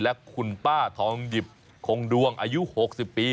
และคุณป้าทองหยิบคงดวงอายุ๖๐ปี